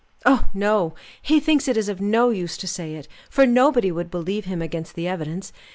"Oh, no! He thinks it is of no use to say it, for nobody would believe him against the evidence.